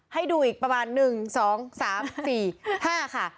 ให้ดูอีกประมาณ๑๒๓๔๕ค่ะ